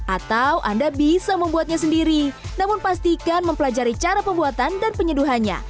atau anda bisa membuatnya sendiri namun pastikan mempelajari cara pembuatan dan penyeduhannya